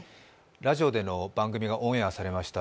ラジオでの番組がオンエアされました。